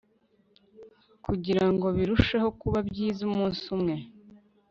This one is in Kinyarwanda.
Kugirango birusheho kuba byiza umunsi umwe